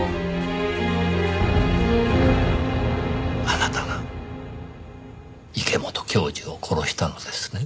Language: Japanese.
あなたが池本教授を殺したのですね？